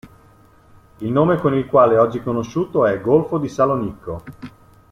Il nome con il quale è oggi conosciuto è "golfo di Salonicco".